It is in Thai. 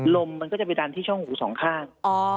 ลมจะยังไปดันที่ช่องหู๒ข้าง